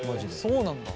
そうなんだ。